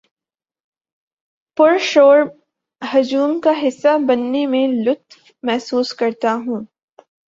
پر شور ہجوم کا حصہ بننے میں لطف محسوس کرتا ہوں